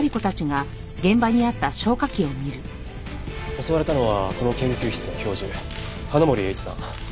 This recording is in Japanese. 襲われたのはこの研究室の教授花森栄一さん。